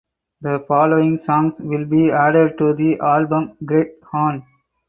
The following songs will be added to the album "Greg Han".